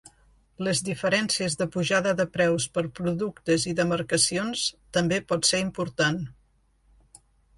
Les diferències de pujada de preus per productes i demarcacions també pot ser important.